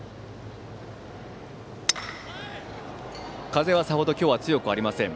風はさほど今日は強くありません。